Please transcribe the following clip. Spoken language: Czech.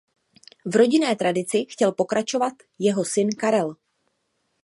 V rodinné tradici chtěl pokračovat jeho syn Karel.